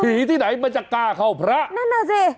ที่ไหนมันจะกล้าเข้าพระนั่นน่ะสิ